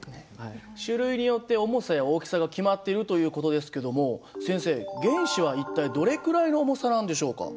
種類によって重さや大きさが決まってるという事ですけども先生原子は一体どれくらいの重さなんでしょうか？